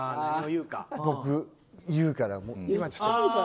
僕、言うから。